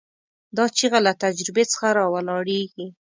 دا چیغه له تجربې څخه راولاړېږي.